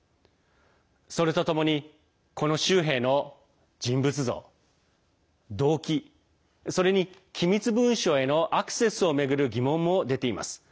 それとともにこの州兵の人物像、動機それに機密文書へのアクセスを巡る疑問も出ています。